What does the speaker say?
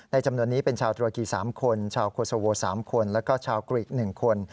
จำนวนนี้เป็นชาวตุรกี๓คนชาวโคโซโว๓คนแล้วก็ชาวกริ๑คน